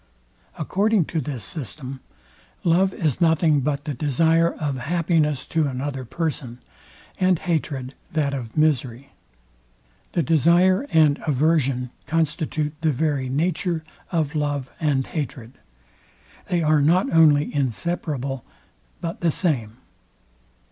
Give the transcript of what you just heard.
According to this system, love is nothing but the desire of happiness to another person, and hatred that of misery. The desire and aversion constitute the very nature of love and hatred. They are not only inseparable but the same.